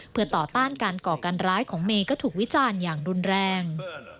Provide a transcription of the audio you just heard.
เพื่อต่อต้านการก่อการร้ายของเมย์ก็ถูกวิจารณ์อย่างรุนแรง